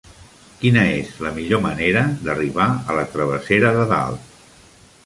Quina és la millor manera d'arribar a la travessera de Dalt?